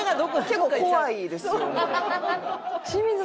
結構怖いですよね。